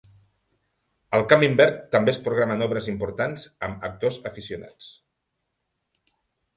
Al "Kaminwerk" també es programen obres importants amb actors aficionats.